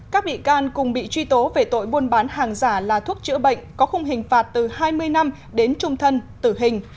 các bị can cùng bị truy tố về tội buôn bán hàng giả là thuốc chữa bệnh có khung hình phạt từ hai mươi năm đến trung thân tử hình